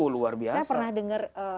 saya pernah dengar